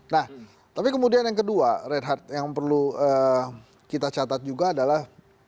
nah tapi kemudian yang kedua reinhardt yang perlu kita catat juga adalah